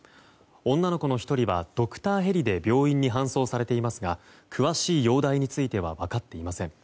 女の子の１人はドクターヘリで病院に搬送されていますが詳しい容体については分かっていません。